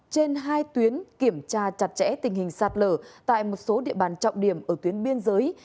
trên hai tuyến kiểm tra chặt chẽ tình hình sạt lở tại một số địa bàn trọng điểm ở tuyến biên giới